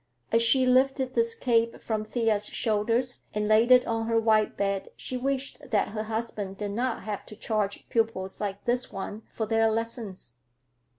As she lifted this cape from Thea's shoulders and laid it on her white bed, she wished that her husband did not have to charge pupils like this one for their lessons.